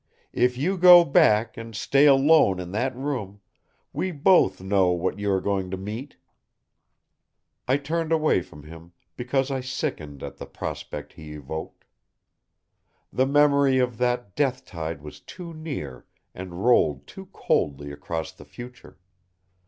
If you go back and stay alone in that room, we both know what you are going to meet." I turned away from him because I sickened at the prospect he evoked. The memory of that death tide was too near and rolled too coldly across the future.